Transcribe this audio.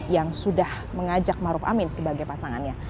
yang sudah mengajak maruf amin sebagai pasangannya